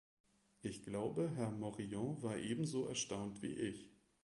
Ich glaube, Herr Morillon war ebenso erstaunt wie ich.